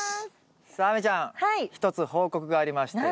さあ亜美ちゃん一つ報告がありまして。